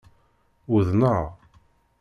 Uḍnaɣ.